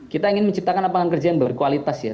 kita ingin menciptakan lapangan kerja yang berkualitas ya